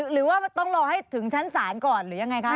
หรือว่าต้องรอให้ถึงชั้นศาลก่อนหรือยังไงคะ